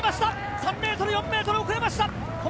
３ｍ、４ｍ遅れました。